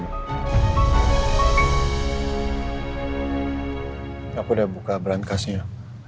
aku udah buka berankasnya